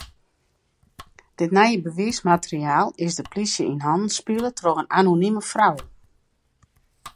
Dit nije bewiismateriaal is de plysje yn hannen spile troch in anonime frou.